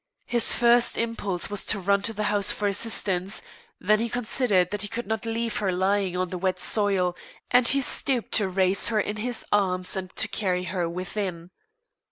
His first impulse was to run to the house for assistance; then he considered that he could not leave her lying on the wet soil, and he stooped to raise her in his arms and to carry her within.